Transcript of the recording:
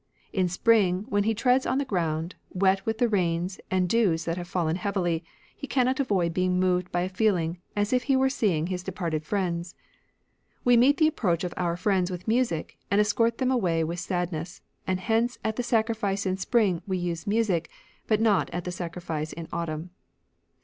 In spring, when he treads on the ground, wet with the rains and dews that have fallen heavily, he cannot avoid being moved by a feeling as if he were seeing his departed friends. We meet the approach of our friends with music, and escort them away with sadness, and hence at the sacrifice in spring we use music, but not at the sacrifice in autumn."